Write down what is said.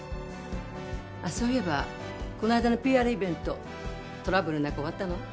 あそういえばこの間のＰＲイベントトラブルなく終わったの？